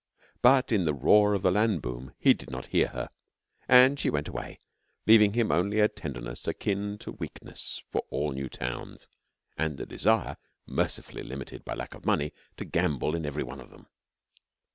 But in the roar of the land boom he did not hear her, and she went away leaving him only a tenderness akin to weakness for all new towns, and a desire, mercifully limited by lack of money, to gamble in every one of them.